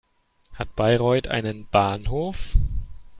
Hat Bayreuth einen Bahnhof?